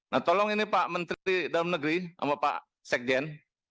nah tolong ini pak menteri dalam negeri sama pak sekjen